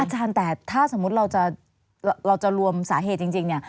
อาจารย์แต่ถ้าสมมุติเราจะรวมสาเหตุจริงเนี่ย